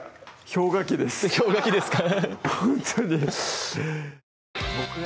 氷河期ですか